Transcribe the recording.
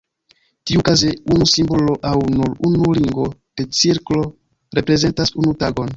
Tiukaze unu simbolo aŭ nur unu ringo de cirklo reprezentas unu tagon.